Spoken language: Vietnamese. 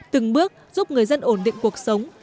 từng bước giúp người dân ổn định cuộc sống